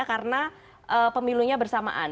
karena pemilunya bersamaan